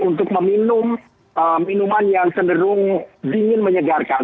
untuk meminum minuman yang cenderung dingin menyegarkan